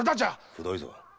くどいぞ。